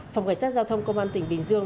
phòng cảnh sát giao thông công an tỉnh bình dương